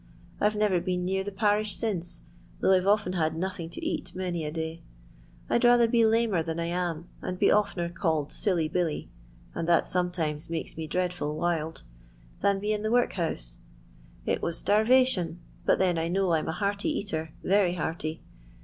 I 've never been near the parish since, though I 've often had nothing to eat many a day. I 'd rather be lamer than I nm, and be oftener called silly Billy — and that some times makes me dreadful wild — than be in the workhouse. It was starvation, but then I know I'm a hearty eater, very hearty.